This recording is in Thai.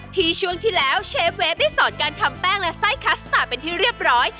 ช่วงที่แล้วเชฟเวฟได้สอนการทำแป้งและไส้คัสตาร์เป็นที่เรียบร้อย